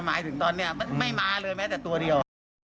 หมายถึงตอนนี้ไม่มาเลยแม้แต่ตัวเดียว